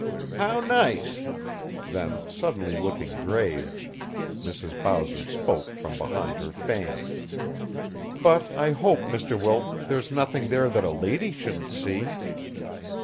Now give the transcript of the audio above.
"How nice!" Then suddenly looking grave, Mrs. Bowser spoke from behind her fan. "But I hope, Mr. Wilton, there's nothing there that a lady shouldn't see."